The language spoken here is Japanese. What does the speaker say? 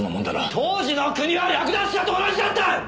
当時の国は略奪者と同じだった！